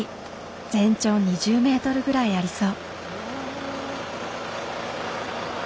全長２０メートルぐらいありそう。